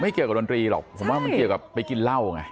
เกี่ยวกับดนตรีหรอกผมว่ามันเกี่ยวกับไปกินเหล้าไง